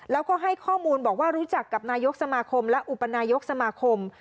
แล้วก็ให้ข้อมูลบอกว่ารู้จักกับนายกสมาคมและอุปนายกสมาคม